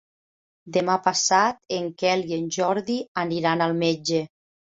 Demà passat en Quel i en Jordi aniran al metge.